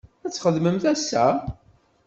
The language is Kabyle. Ad txedmemt ass-a?